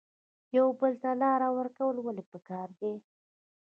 یو بل ته لار ورکول ولې پکار دي؟